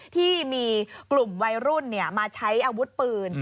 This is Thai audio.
ที่มีกลุ่มวัยรุ่นมาใช้อาวุธปืน